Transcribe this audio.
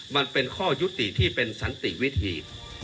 มันเป็นข้อยุติที่เป็นสันติวิธี